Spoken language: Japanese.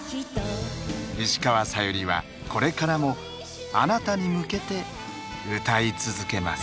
石川さゆりはこれからもあなたに向けて歌い続けます。